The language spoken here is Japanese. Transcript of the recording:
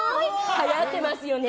はやってますよね。